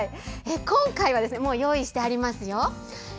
今回は用意してありますよ。